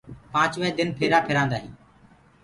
پآنچوينٚ دن ڦيرآ ڦيرآندآ هينٚ۔